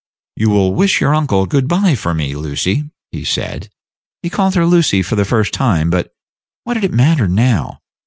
"You will wish your uncle good by for me, Lucy," he said. He called her Lucy for the first time; but what did it matter now?